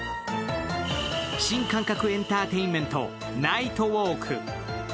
新感覚エンターテインメントナイトウォーク。